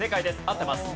合ってます。